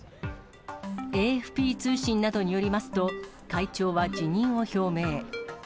ＡＦＰ通信などによりますと、会長は辞任を表明。